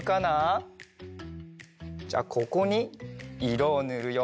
じゃあここにいろをぬるよ。